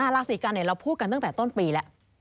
ลาศีกัณฑ์เนี่ยเราพูดกันตั้งแต่ต้นปีแล้ว